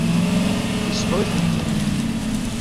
Yesbeɣ-itent-id.